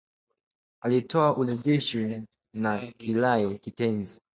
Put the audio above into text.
uliotoa urejeshi na kirai kitenzi